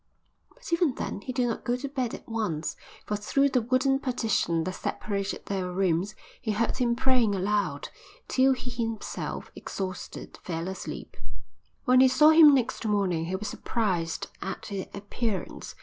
But even then he did not go to bed at once, for through the wooden partition that separated their rooms he heard him praying aloud, till he himself, exhausted, fell asleep. When he saw him next morning he was surprised at his appearance.